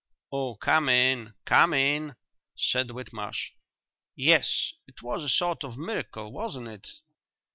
"Oh, come in, come in," said Whitmarsh. "Yes ... it was a sort of miracle, wasn't it?"